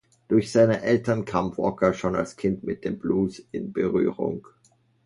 Durch seine Eltern kam Walker schon als Kind mit dem Blues in Berührung.